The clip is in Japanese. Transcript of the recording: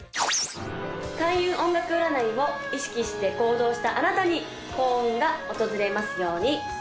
開運音楽占いを意識して行動したあなたに幸運が訪れますように！